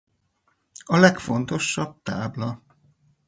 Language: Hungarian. A legfontosabb tábla.